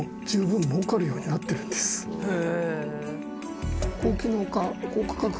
へえ！